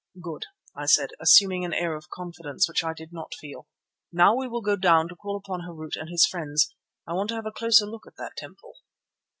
"Good," I said, assuming an air of confidence which I did not feel. "Now we will go down to call upon Harût and his friends. I want to have a closer look at that temple."